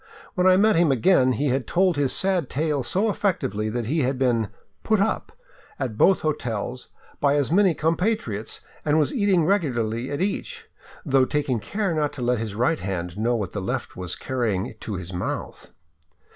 When I met him again he had told his sad tale so effectively that he had been " put up *' at both hotels by as many compatriots and was eating regularly at each, though taking care not to let his right hand know what the left was carrying to his mouth.